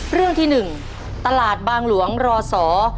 เรื่องที่๑ตลาดบางหลวงรสอ